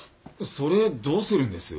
それどうするんです？